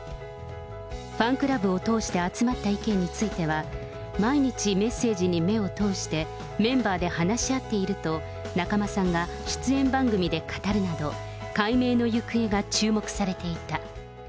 ファンクラブを通して集まった意見については、毎日メッセージに目を通して、メンバーで話し合っていると、中間さんが出演番組で語るなど、改名の行方が注目されていた。